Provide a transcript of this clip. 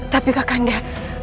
tapi kak kanda